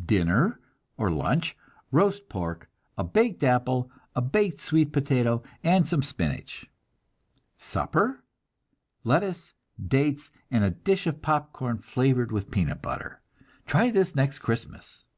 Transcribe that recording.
Dinner, or lunch, roast pork, a baked apple, a baked sweet potato and some spinach. Supper, lettuce, dates, and a dish of popcorn flavored with peanut butter. Try this next Christmas!